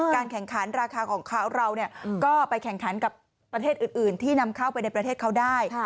แข่งขันราคาของเขาเราก็ไปแข่งขันกับประเทศอื่นที่นำเข้าไปในประเทศเขาได้